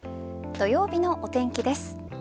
土曜日のお天気です。